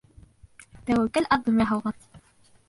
Тәүәккәл аҙым яһалған.